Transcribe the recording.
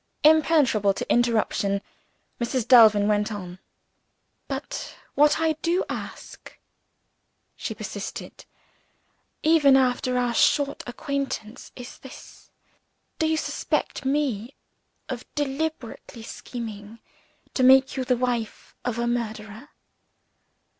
Impenetrable to interruption, Mrs. Delvin went on. "But what I do ask," she persisted, "even after our short acquaintance, is this. Do you suspect me of deliberately scheming to make you the wife of a murderer?"